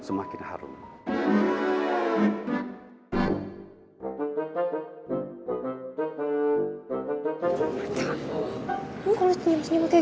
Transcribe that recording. cuma buatan gak baru simen ya